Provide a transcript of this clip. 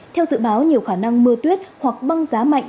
theo dự báo nhiều khả năng mưa tuyết hoặc băng giá mạnh